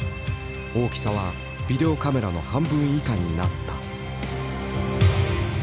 大きさはビデオカメラの半分以下になった。